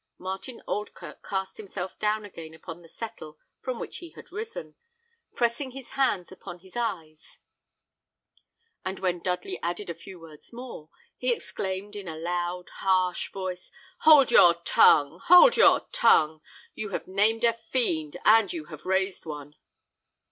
Martin Oldkirk cast himself down again upon the settle from which he had risen, pressing his hands upon his eyes; and when Dudley added a few words more, he exclaimed, in a loud, harsh voice, "Hold your tongue, hold your tongue! you have named a fiend, and you have raised one!"